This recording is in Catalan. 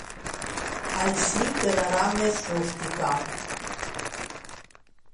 Així quedarà més rústica